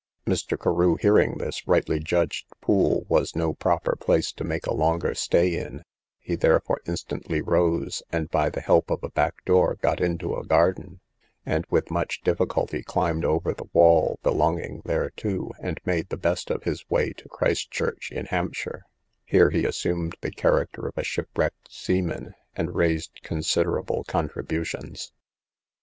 Mr. Carew hearing this, rightly judged Poole was no proper place to make a longer stay in; he therefore instantly arose, and, by the help of a back door, got into a garden, and with much difficulty climbed over the wall belonging thereto, and made the best of his way to Christchurch, in Hampshire; here he assumed the character of a shipwrecked seaman, and raised considerable contributions.